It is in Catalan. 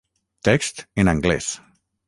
Text en anglès.